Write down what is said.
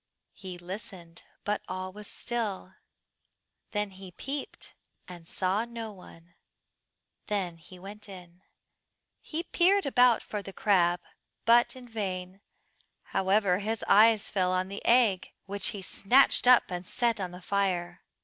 He listened, but all was still; then he peeped, and saw no one; then he went in. He peered about for the crab, but in vain; however, his eyes fell on the egg, which he snatched up and set on the fire.